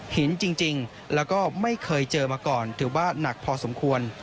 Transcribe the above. หินจริงแล้วก็ไม่เคยเจอมาก่อนถือว่าหนักพอสมควร